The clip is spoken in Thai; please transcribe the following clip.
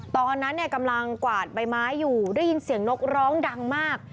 ตอนนั้นเนี่ยกำลังกวาดใบไม้อยู่ได้ยินเสียงนกร้องดังมาก